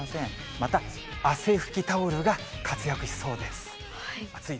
また汗拭きタオルが活躍しそうです。